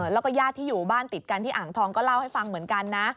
แล้วก็ญาติที่อยู่บ้านติดกันที่อ่างทองก็เล่าให้ฟังเหมือนกันนะ